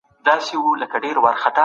افغانستان یو ډېر ښکلی هېواد دی.